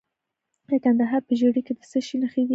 د کندهار په ژیړۍ کې د څه شي نښې دي؟